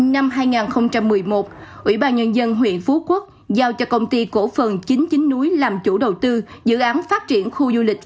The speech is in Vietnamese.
năm hai nghìn một mươi một ủy ban nhân dân huyện phú quốc giao cho công ty cổ phần chính chính núi làm chủ đầu tư dự án phát triển khu du lịch